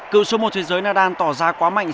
cựu số một thế giới nadan tỏ ra quá mạnh